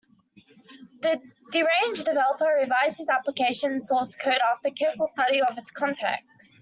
The deranged developer revised his application source code after a careful study of its contents.